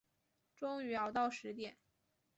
终于熬到十点